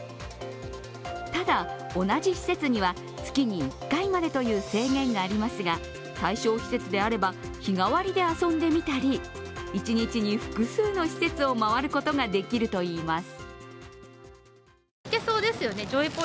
ただ、同じ施設には月に１回までという制限がありますが、対象施設であれば、日替わりで遊んでみたり、一日に複数の施設を回ることができるといいます。